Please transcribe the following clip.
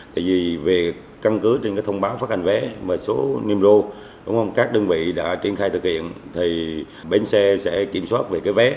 tại vì việc căn cứ trên cái thông báo phát hành vé và số niêm rô đúng các đơn vị đã triển khai thực hiện thì bến xe sẽ kiểm soát về cái vé